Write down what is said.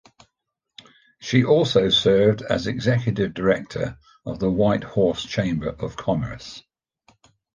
She also served as executive director of the Whitehorse Chamber of Commerce.